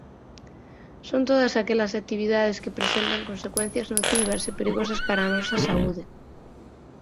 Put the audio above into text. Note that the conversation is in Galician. Son todas aquelas actividades que presentan consecuencias nocivas e perigosas para a nosa saúde.